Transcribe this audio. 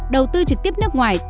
đầu tư trực tiếp nước ngoài